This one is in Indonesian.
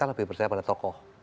tidak percaya sama tokoh